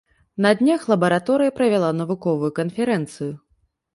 На днях лабараторыя правяла навуковую канферэнцыю.